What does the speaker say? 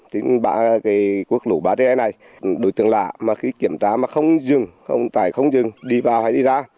thì quốc lộ ba d này đối tượng lạ mà khi kiểm tra mà không dừng không tải không dừng đi vào hay đi ra